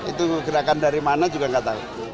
itu gerakan dari mana juga nggak tahu